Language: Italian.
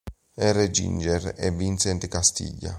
R. Giger e Vincent Castiglia.